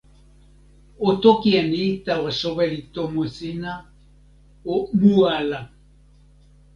o toki e ni tawa soweli tomo sina: o mu ala.